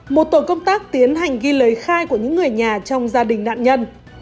một tổ công tác tiến hành ghi lời khai của những người nhà trong gia đình nạn nhân